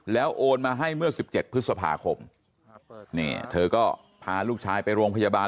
แล้วโอนมาให้เมื่อ๑๗พฤษภาคมนี่เธอก็พาลูกชายไปโรงพยาบาล